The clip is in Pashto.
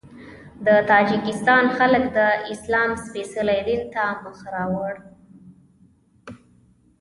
د تاجکستان خلک د اسلام سپېڅلي دین ته مخ راوړ.